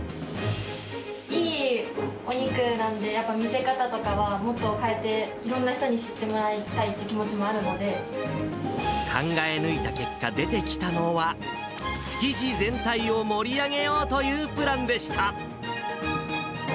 いいお肉なんで、やっぱ見せ方とかはもっと変えて、いろんな人に知ってもらいたいっ考え抜いた結果、出てきたのは、築地全体を盛り上げようというプランでした。